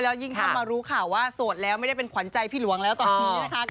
แล้วยิ่งถ้ามารู้ข่าวว่าโสดแล้วไม่ได้เป็นขวัญใจพี่หลวงแล้วตอนนี้นะคะ